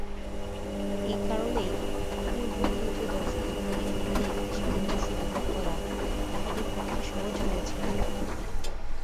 এই কারণেই পূর্ব পূর্ব দর্শনপ্রণালীর মধ্যে একটি সামঞ্জস্য বিধান করা তাঁহাদের পক্ষে সহজ হইয়াছিল।